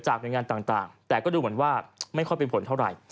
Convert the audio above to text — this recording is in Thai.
หน่วยงานต่างแต่ก็ดูเหมือนว่าไม่ค่อยเป็นผลเท่าไหร่